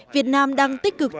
việt nam đang tích cực trở lại